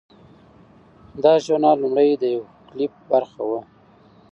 دا ژورنال لومړی د یو کلپ برخه وه.